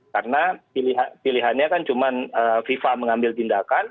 karena pilihannya kan cuma viva mengambil tindakan